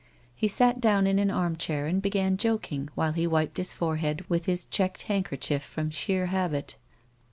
He sat down in an arm chair and began joking, while he wiped his forehead with his checked handkerchief from sheer habit.